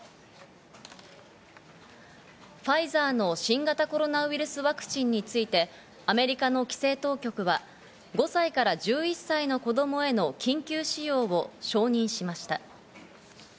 ファイザーの新型コロナウイルスワクチンについてアメリカの規制当局は、５歳から１１歳の子供への緊急使用を承認しました。